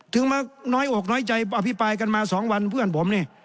มาน้อยอกน้อยใจอภิปรายกันมา๒วันเพื่อนผมนี่